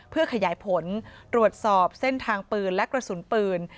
เพื่อขยายผลตรวจสอบเส้นทางปืนและกระสุนปืน